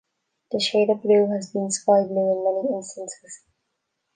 The shade of blue has been sky blue in many instances.